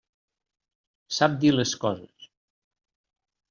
Sap dir les coses.